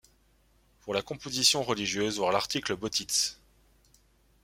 Pour la composition religieuse, voir l'article Botiz.